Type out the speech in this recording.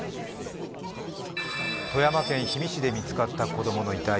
富山県氷見市で見つかった子供の遺体。